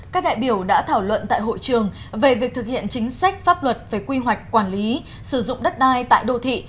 các đại biểu đã thảo luận tại hội trường về việc thực hiện chính sách pháp luật về quy hoạch quản lý sử dụng đất đai tại đô thị